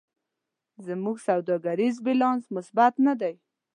زموږ سوداګریز بیلانس مثبت نه دی.